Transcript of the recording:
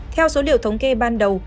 theo số liệu thống kê ban đầu